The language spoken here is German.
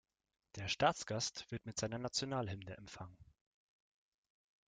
Der Staatsgast wird mit seiner Nationalhymne empfangen.